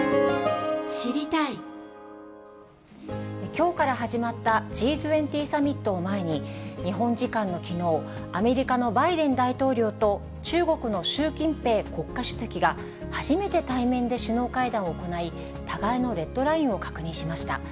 きょうから始まったＧ２０サミットを前に、日本時間のきのう、アメリカのバイデン大統領と中国の習近平国家主席が、初めて対面で首脳会談を行い、互いのレッドラインを確認しました。